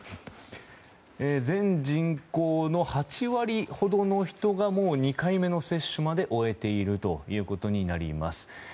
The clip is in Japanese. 全人口の８割ほどの人がもう２回目の接種まで終えていることになります。